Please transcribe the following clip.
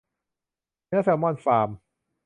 เนื้อแซลมอนฟาร์ม